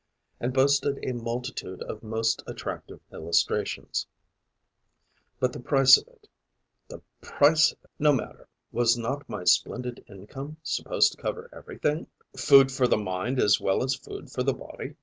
and boasted a multitude of most attractive illustrations; but the price of it, the price of it! No matter: was not my splendid income supposed to cover everything, food for the mind as well as food for the body?